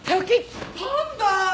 パンだ！